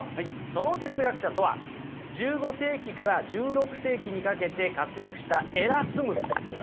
その哲学者とは１５世紀から１６世紀にかけて活躍したエラスムスです。